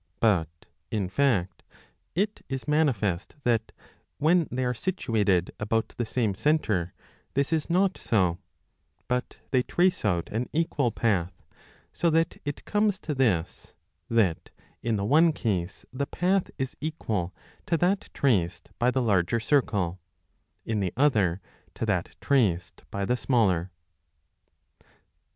But, in fact, it is manifest that, when they are situated about the same centre, this is not so, but they trace out an equal path ; so that it comes to this, that in the one case the path is equal to that traced by the larger circle, in the other to that traced by the smaller.